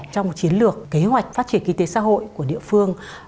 trong chiến lược kế hoạch phát triển kinh tế xã hội của địa phương